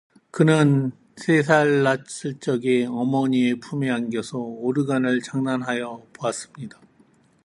그는 세 살 났을 적에 어머니의 품에 안겨서 오르간을 장난하여 보았습니다.